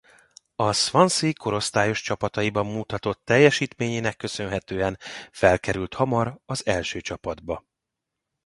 A Swansea korosztályos csapataiban mutatott teljesítményének köszönhetően felkerült hamar az első csapatba.